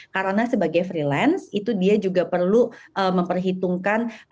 karena sebagai freelance itu dia juga perlu memperhitungkan